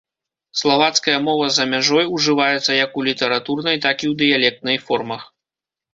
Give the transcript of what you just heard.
Славацкая мова за мяжой ужываецца як у літаратурнай, так і ў дыялектнай формах.